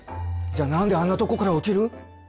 じゃあ何であんなとこから落ちる。